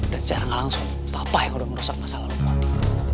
dan secara nggak langsung papa yang udah merosak masa lalu mundi